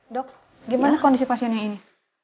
dok gimana kondisi pasiennya ini